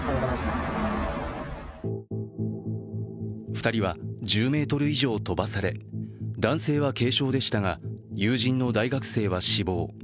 ２人は１０ｍ以上飛ばされ、男性は軽傷でしたが友人の大学生は死亡。